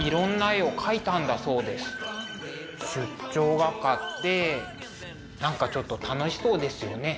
出張画家って何かちょっと楽しそうですよね。